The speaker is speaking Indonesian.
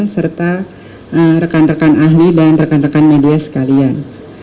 serta rekan rekan ahli dan rekan rekan media sekalian